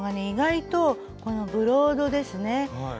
意外とこのブロードですね。